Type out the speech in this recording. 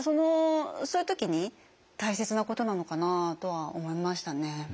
そういう時に大切なことなのかなとは思いましたね。